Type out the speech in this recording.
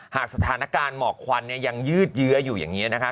หากสถานการณ์หมอกควันยังยืดเยื้ออยู่อย่างนี้นะคะ